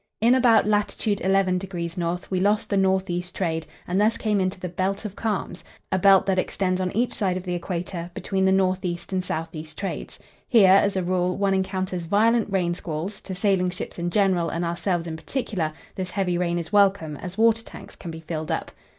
In about lat. 11° N. we lost the north east trade, and thus came into the "belt of calms," a belt that extends on each side of the Equator, between the north east and south east trades. Here, as a rule, one encounters violent rain squalls; to sailing ships in general and ourselves in particular this heavy rain is welcome, as water tanks can be filled up.